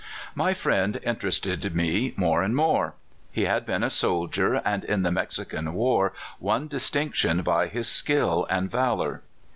My friend interested me more and more. He had been a soldier, and in the Mexican war won distinction by his skill and valor.